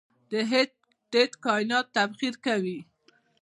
د هیټ ډیت کائنات تبخیر کوي.